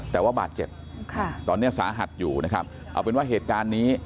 แต่ว่าบาดเจ็บค่ะตอนนี้สาหัสอยู่นะครับเอาเป็นว่าเหตุการณ์นี้